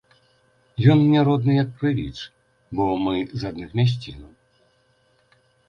Ён мне родны, як крывіч, бо мы з адных мясцінаў.